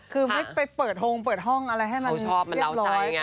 คือไม่ไปเปิดโฮงเปิดห้องอะไรให้มันเรียบร้อย